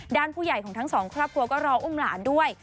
ผู้ใหญ่ของทั้งสองครอบครัวก็รออุ้มหลานด้วย